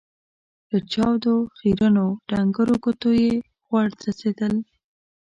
له چاودو، خيرنو ، ډنګرو ګوتو يې غوړ څڅېدل.